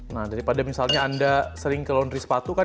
nah daripada misalnya anda sering ke laundry sepatu kan